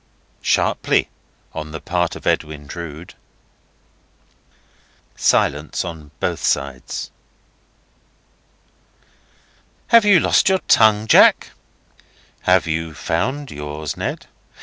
Sharply on the part of Edwin Drood. Silence on both sides. "Have you lost your tongue, Jack?" "Have you found yours, Ned?"